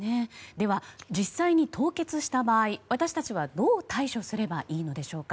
では、実際に凍結した場合私たちはどう対処すればいいのでしょうか。